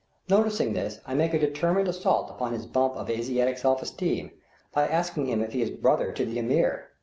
Noticing this, I make a determined assault upon his bump of Asiatic self esteem, by asking him if he is brother to the Ameer.